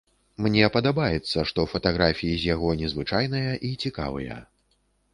Мне падабаецца, што фатаграфіі з яго незвычайныя і цікавыя.